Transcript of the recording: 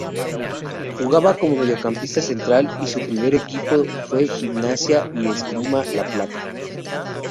Jugaba como mediocampista central y su primer equipo fue Gimnasia y Esgrima La Plata.